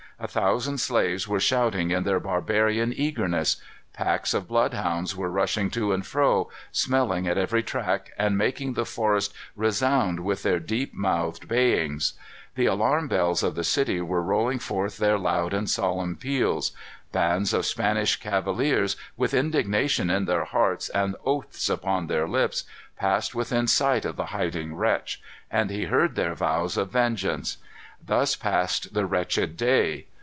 A thousand slaves were shouting in their barbarian eagerness. Packs of blood hounds were rushing to and fro, smelling at every track, and making the forest resound with their deep mouthed bayings. The alarm bells of the city were rolling forth their loud and solemn peals. Bands of Spanish cavaliers, with indignation in their hearts and oaths upon their lips, passed within sight of the hiding wretch; and he heard their vows of vengeance. Thus passed the wretched day.